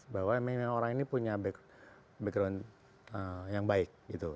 bahwa memang orang ini punya background yang baik